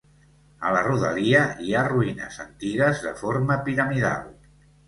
A la rodalia hi ha ruïnes antigues de forma piramidal.